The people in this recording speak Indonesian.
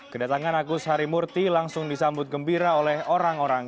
kedatangan agus harimurti langsung disambut gembira oleh orang orang